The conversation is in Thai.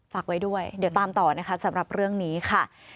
ฝากไว้ด้วยเดี๋ยวตามต่อนะคะสำหรับเรื่องนี้ค่ะ